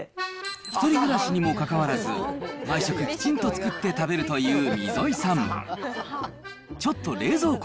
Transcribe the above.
１人暮らしにもかかわらず、毎食きちんと作って食べるという溝井さん。